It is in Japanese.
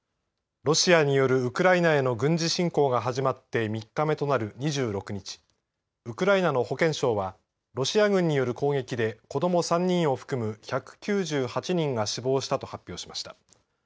ロシアによるウクライナへの軍事侵攻が始まって３日目となる２６日ウクライナの保健相はロシア軍による攻撃で子ども３人を含む１９８人が死亡したと発表しました。